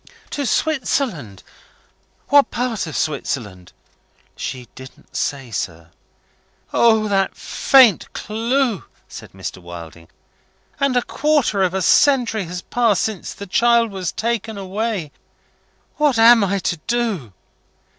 '" "To Switzerland? What part of Switzerland?" "She didn't say, sir." "Only that faint clue!" said Mr. Wilding. "And a quarter of a century has passed since the child was taken away! What am I to do?"